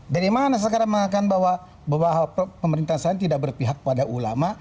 dari mana sekarang mengatakan bahwa pemerintahan saya tidak berpihak pada ulama